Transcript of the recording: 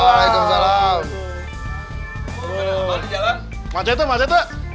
mbak apaan di jalan macet macet